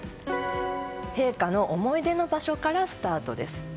陛下の思い出の場所からスタートです。